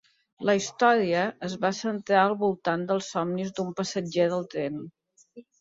La història es va centrar al voltant dels somnis d'un passatger del tren.